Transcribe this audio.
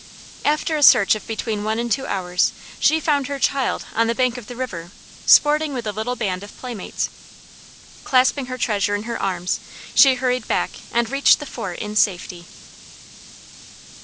After a search of between one and two hours, she found her child on the bank of the river, sporting with a little band of playmates. Clasping her treasure in her arms, she hurried back and reached the fort in safety.